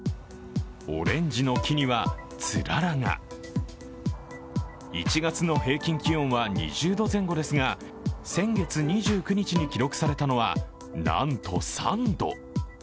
オレンジの木にはつららが１月の平均気温は２０度前後ですが先月２９日に記録されたのは、なんと３度。